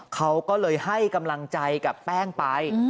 เขาก็เลยให้กำลังใจกับแป้งไป